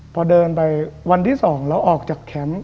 พอเดินไปวันที่๒แล้วออกจากแคมป์